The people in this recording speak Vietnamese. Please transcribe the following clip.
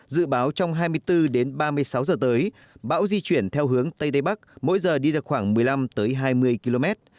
dự báo trong hai mươi bốn đến ba mươi sáu giờ tới bão di chuyển theo hướng tây tây bắc mỗi giờ đi được khoảng một mươi năm hai mươi km